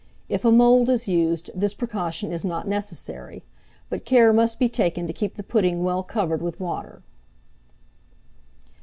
If a mould is used, this precaution is not necessary; but care must be taken to keep the pudding well covered with water.